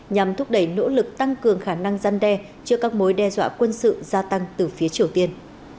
nhằm thúc đẩy nỗ lực tăng cường khả năng gian đe trước các mối đe dọa quân sự gia tăng từ phía triều tiên